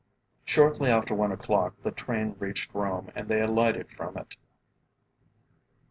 Shortly after one o'clock the train reached Rome and they alighted from it.